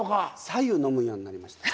さ湯飲むようになりました。